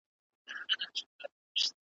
زړه دي وچوه غمازه د بخت ستوری مي ځلیږي .